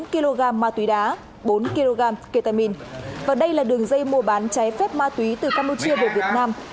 năm kg ma túy đá bốn kg ketamin và đây là đường dây mua bán trái phép ma túy từ campuchia về việt nam